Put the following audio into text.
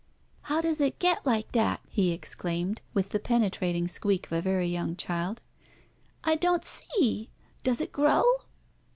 "How does it get like that?" he exclaimed, with the penetrating squeak of a very young child. "I don't see. Does it grow?"